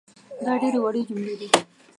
دا ډېرې وړې جملې دي